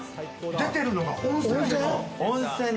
出てるのが温泉？